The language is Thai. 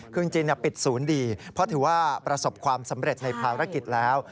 คือจริงปิดศูนย์ดีเพราะถือว่าประสบความสำเร็จในภารกิจแล้ว